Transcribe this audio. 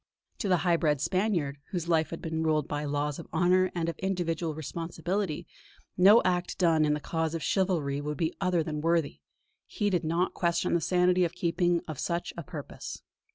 To the high bred Spaniard, whose life had been ruled by laws of honour and of individual responsibility, no act done in the cause of chivalry could be other than worthy; he did not question the sanity of the keeping of such a purpose.